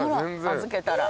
預けたら。